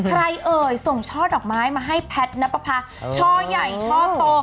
เอ่ยส่งช่อดอกไม้มาให้แพทย์นับประพาช่อใหญ่ช่อโต